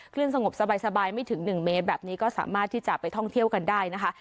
สงบสบายไม่ถึง๑เมตรแบบนี้ก็สามารถที่จะไปท่องเที่ยวกันได้นะคะ